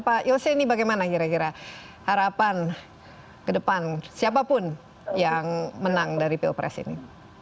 pak yose ini bagaimana kira kira harapan ke depan siapapun yang menang dari pilpres ini